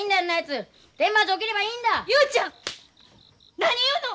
何言うの！